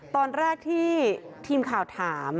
ตอนแรกที่ทีมข่าวถาม